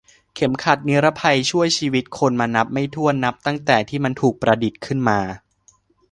เข็มขัดนิรภัยช่วยชีวิตคนมานับไม่ถ้วนนับตั้งแต่ที่มันถูกประดิษฐ์ขึ้นมา